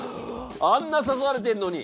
あんな刺されてんのに。